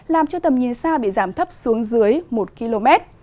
làm cho tầm nhìn xa bị giảm thấp xuống dưới một km